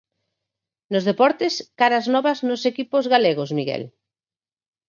Nos deportes, caras novas nos equipos galegos, Miguel.